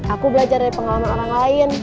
aku belajar dari pengalaman orang lain